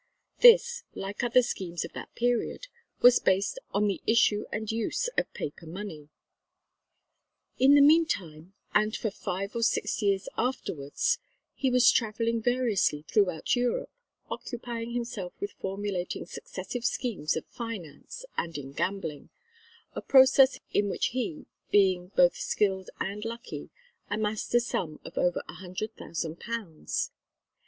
This, like other schemes of that period, was based on the issue and use of paper money. [Illustration: JOHN LAW] In the meantime, and for five or six years afterwards, he was travelling variously throughout Europe, occupying himself with formulating successive schemes of finance, and in gambling a process in which he, being both skilled and lucky, amassed a sum of over a hundred thousand pounds.